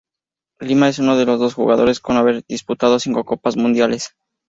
Lima es uno de los dos jugadores en haber disputado cinco Copas Mundiales.